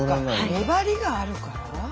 粘りがあるから？